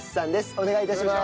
お願い致します。